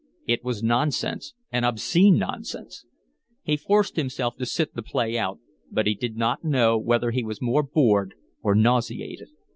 It was nonsense and obscene nonsense. He forced himself to sit the play out, but he did not know whether he was more bored or nauseated.